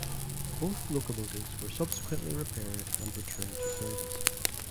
Both locomotives were subsequently repaired and returned to service.